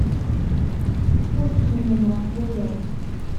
Ad txemmem ɣef waya.